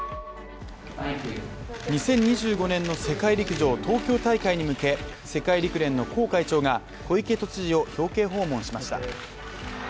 ２０２５年の世界陸上東京大会に向け世界陸連のコー会長が小池都知事を表敬訪問しました。